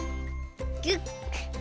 ギュッ。